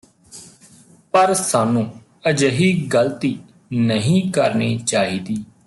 ਪਰ ਸਾਨੂੰ ਅਜਿਹੀ ਗ਼ਲਤੀ ਨਹੀਂ ਕਰਨੀ ਚਾਹੀਦੀ